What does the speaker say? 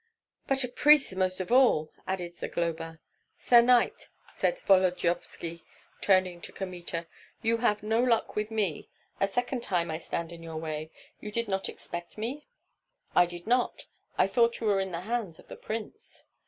"But a priest most of all!" added Zagloba. "Sir Knight," said Volodyovski, turning to Kmita, "you have no luck with me; a second time I stand in your way. You did not expect me?" "I did not! I thought you were in the hands of the prince."